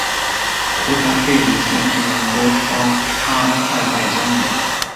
胡达费林县居民多操阿塞拜疆语。